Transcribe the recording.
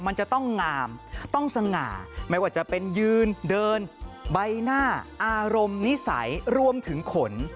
มันจะต้องงามต้องสง่าไม่ว่าจะเป็นยืนเดินใบหน้าอารมณ์นิสัยรวมถึงขน